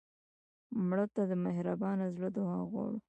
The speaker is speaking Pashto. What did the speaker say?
مړه ته د مهربان زړه دعا غواړو